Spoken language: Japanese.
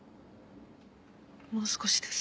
もう少しです。